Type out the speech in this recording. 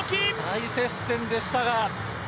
大接戦でしたが。